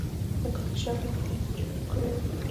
د کافي شاپ مخ یې جارو کړی و.